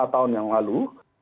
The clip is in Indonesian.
lima tahun yang lalu